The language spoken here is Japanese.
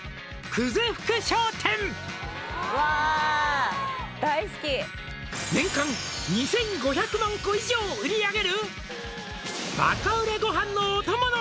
久世福商店」わあ「年間２５００万個以上売り上げる」